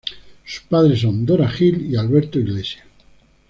Sus padres son Dora Gil y Alberto Iglesias.